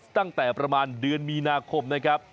ตั้งแต่ประมาณเดือนมีนาคมนะครับ